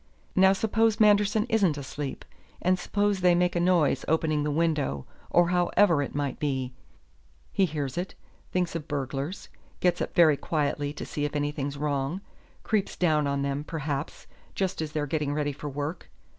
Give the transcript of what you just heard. Now suppose Manderson isn't asleep, and suppose they make a noise opening the window, or however it might be. He hears it; thinks of burglars; gets up very quietly to see if anything's wrong; creeps down on them, perhaps, just as they're getting ready for work.